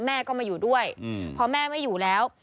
แม่ก็มาอยู่ด้วยพอแม่ไม่อยู่แล้ว